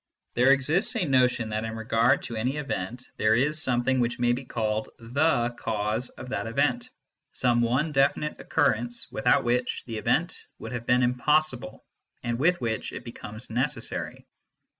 There exists a notion that in regard to any event there is something which may be called the cause of that event some one definite occurrence, without which the event would have been impossible and with which it be comes necessary.